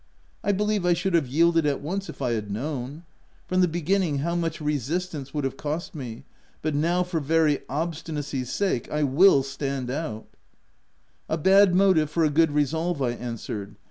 I believe I should have yielded at once if I had known, from the beginning, how much resistance would have cost me; but now, for very obstinacy's sake, I will stand out \" "A bad motive for a good resolve/' I an swered.